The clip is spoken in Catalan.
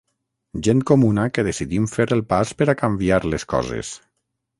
Gent comuna que decidim fer el pas per a canviar les coses.